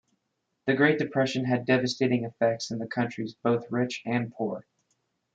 The Great Depression had devastating effects in countries both rich and poor.